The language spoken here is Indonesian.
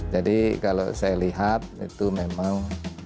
jadi kalau saya lihat itu memang